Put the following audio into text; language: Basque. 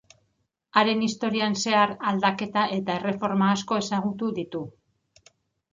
Haren historian zehar aldaketa eta erreforma asko ezagutu ditu.